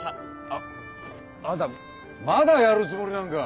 ああんたまだやるつもりなんか！